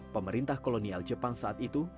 pemerintah kolonial jepang saat itu